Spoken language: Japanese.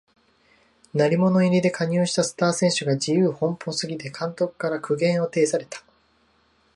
鳴り物入りで加入したスター選手が自由奔放すぎて監督から苦言を呈された